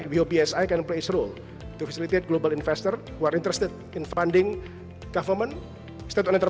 bumn bisa memiliki peran untuk memperkuat investor global yang berminat untuk mendapatkan pendapatan dari pemerintah